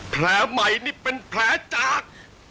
แผลใหม่นี่เป็นแผลจาก